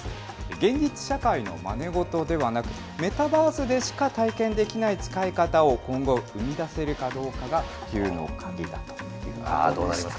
現実社会のまねごとではなく、メタバースでしか体験できない使い方を今後、生み出せるかどうかが普及の鍵だということでした。